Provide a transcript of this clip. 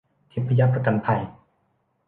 ทิพยประกันภัย